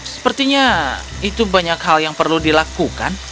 sepertinya itu banyak hal yang perlu dilakukan